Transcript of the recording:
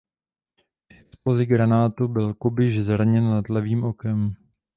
Při explozi granátu byl Kubiš zraněn nad levým okem.